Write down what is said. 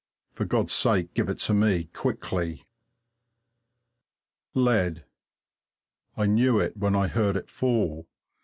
For God's sake, give it to me, quickly! Lead! I knew it when I heard it fall.